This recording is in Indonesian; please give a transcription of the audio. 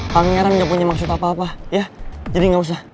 pangeran gak punya maksud apa apa ya jadi gak usah